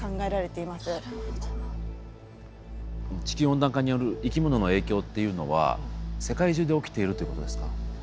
地球温暖化による生き物の影響っていうのは世界中で起きているってことですか？